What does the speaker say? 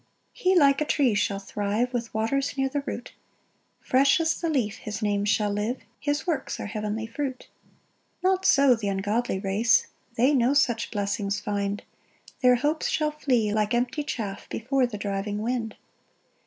3 He like a tree shall thrive, With waters near the root: Fresh as the leaf his name shall live, His works are heavenly fruit. 4 Not so th' ungodly race, They no such blessings find; Their hopes shall flee like empty chaff Before the driving wind.